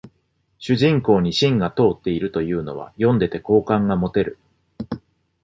主人公に芯が通ってるというのは読んでて好感が持てる